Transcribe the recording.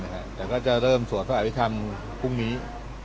เราก็จะเริ่มสวทอวิธรรมพรุ่งนี้